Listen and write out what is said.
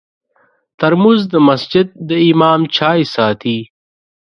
ترموز د مسجد د امام چای ساتي.